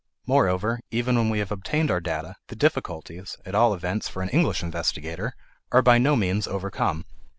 Moreover, even when we have obtained our data, the difficulties at all events, for an English investigator are by no means overcome.